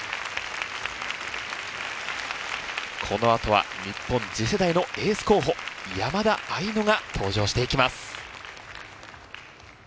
このあとは日本次世代のエース候補山田愛乃が登場していきます。